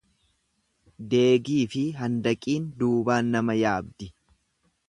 Deegiifi handaqiin duubaan nama yaabdi.